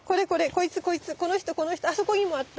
こいつこいつこの人この人あそこにもあった！